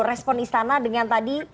respon istana dengan tadi